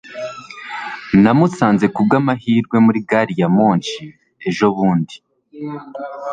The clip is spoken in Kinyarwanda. namusanze kubwamahirwe muri gari ya moshi ejobundi